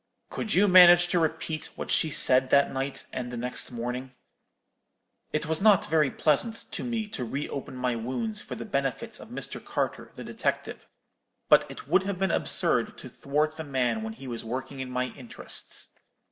"'Could you manage to repeat what she said that night and the next morning?' "It was not very pleasant to me to re open my wounds for the benefit of Mr. Carter the detective; but it would have been absurd to thwart the man when he was working in my interests.